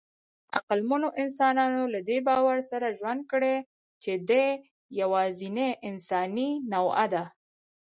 عقلمنو انسانانو له دې باور سره ژوند کړی، چې دی یواځینۍ انساني نوعه ده.